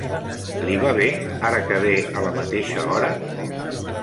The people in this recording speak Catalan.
Li va bé ara que ve a la mateixa hora?